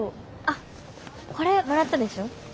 あこれもらったでしょ？